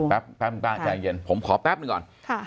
แป๊บแป๊บนึงป้าใจเย็นผมขอแป๊บนึงก่อนค่ะ